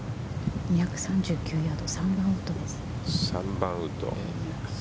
２３９ヤード３番ウッドです。